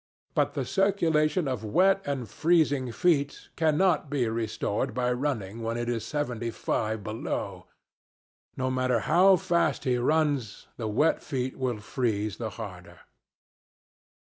But the circulation of wet and freezing feet cannot be restored by running when it is seventy five below. No matter how fast he runs, the wet feet will freeze the harder.